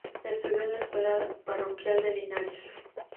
Estudió en la escuela parroquial de Linares.